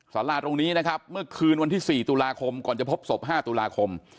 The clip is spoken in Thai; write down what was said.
สาราตรงนี้นะครับเมื่อคืนวันที่๔ตุลาคมก่อนจะพบศพ๕ตุลาคม